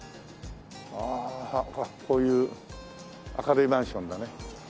ああこういう明るいマンションだね。